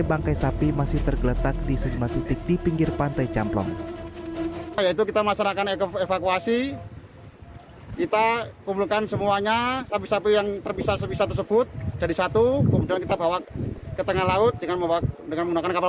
bangkai sapi masih tergeletak di sejumlah titik di pinggir pantai jamblong